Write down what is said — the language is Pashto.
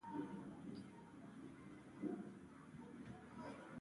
دا نور د منلو او توجیه وړ نه ده.